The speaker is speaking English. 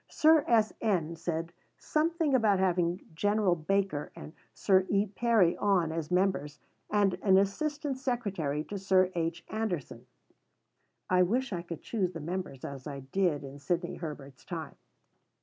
Sir S. N. said something about having Gen. Baker and Sir E. Perry on as members and an assistant secretary to Sir H. Anderson. (I wish I could choose the members as I did in Sidney Herbert's time.)